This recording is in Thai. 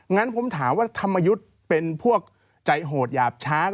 งั้นผมถามว่าธรรมยุทธ์เป็นพวกใจโหดหยาบช้า